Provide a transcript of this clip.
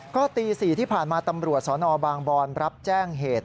ก็ตี๔ที่ผ่านมาตำรวจสนบางบอนรับแจ้งเหตุ